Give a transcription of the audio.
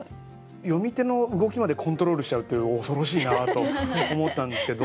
読み手の動きまでコントロールしちゃうって恐ろしいなと思ったんですけど。